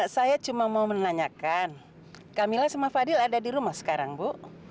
saya cuma mau menanyakan camilla sama fadil ada di rumah sekarang bu